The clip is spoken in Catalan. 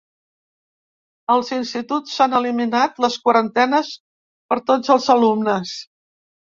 Als instituts s’han eliminat les quarantenes per a tots els alumnes.